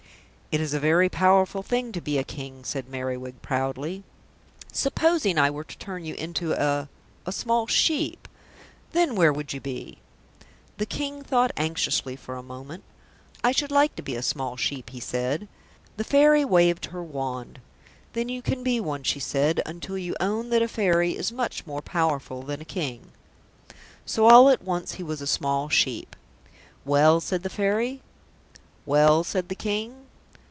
"It is a very powerful thing to be a King," said Merriwig proudly. "Supposing I were to turn you into a a small sheep. Then where would you be?" The King thought anxiously for a moment. "I should like to be a small sheep," he said. The Fairy waved her wand. "Then you can be one," she said, "until you own that a Fairy is much more powerful than a King." So all at once he was a small sheep. "Well?" said the Fairy. "Well?" said the King.